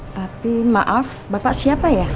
tapi maaf bapak siapa ya